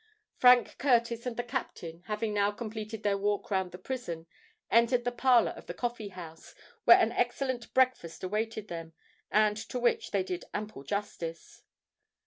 Frank Curtis and the captain, having now completed their walk round the prison, entered the parlour of the Coffee house, where an excellent breakfast awaited them, and to which they did ample justice.